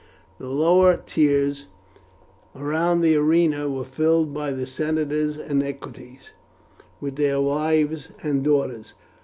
The lower tiers round the arena were filled by the senators and equities, with their wives and daughters.